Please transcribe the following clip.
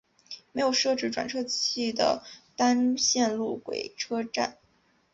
没有设置转辙器的单线路轨车站。